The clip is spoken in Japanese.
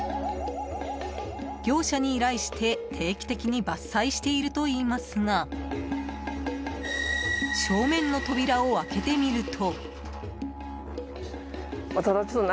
業者に依頼して、定期的に伐採しているといいますが正面の扉を開けてみると。